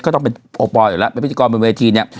ก็ต้องเป็นโอปอลอยู่แล้วเป็นพิธีกรบนเวทีเนี่ย